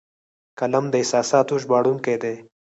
قلم د احساساتو ژباړونکی دی